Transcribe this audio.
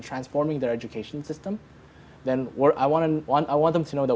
dan membangun sistem pendidikan mereka